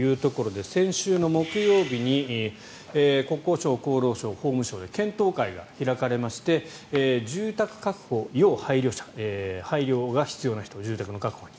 先週木曜日に国交省、厚労省、法務省で検討会が開かれまして住宅確保要配慮者配慮が必要な人住宅の確保に。